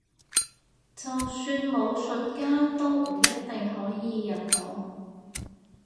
就算武術家都唔一定可以入到